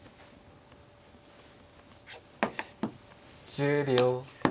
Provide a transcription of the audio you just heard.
１０秒。